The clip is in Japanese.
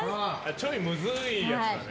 ちょいむずいやつだね。